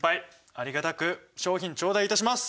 ありがたく賞品頂戴いたします。